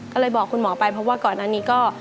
ก็เลยบอกคุณหมอไปเพราะว่าก่อนอันนี้ก็